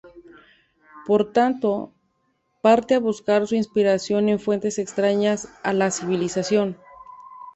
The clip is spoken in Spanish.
Por tanto, parte a buscar su inspiración en fuentes extrañas a la civilización.